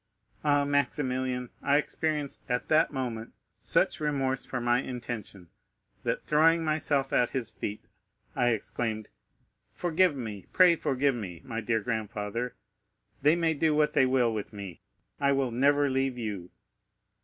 Ah, Maximilian, I experienced, at that moment, such remorse for my intention, that, throwing myself at his feet, I exclaimed,—'Forgive me, pray forgive me, my dear grandfather; they may do what they will with me, I will never leave you.